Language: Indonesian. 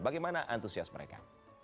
bagaimana antusias mereka